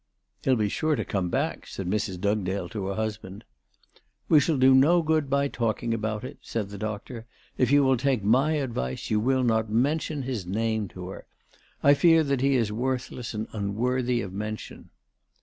" He'll be sure to come back," said Mrs Dugdale to her husband. ""We shall do no good by talking about it," said the doctor. "If you will take my advice, you will not mention his name to her. I fear that he is worthless and unworthy of mention."